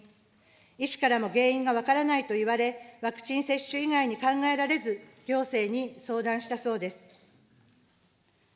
医師からも原因が分からないと言われ、ワクチン接種以外に考えられず、行政に相談したそうです。